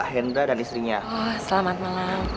kalau boleh saya tahu